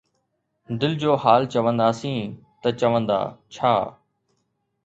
دل جو حال چونداسين، ته چوندا ”ڇا“؟